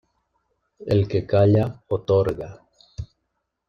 El que calla, otorga.